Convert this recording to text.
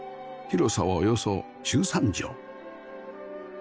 広さはおよそ１３畳